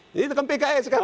ini kan pks kan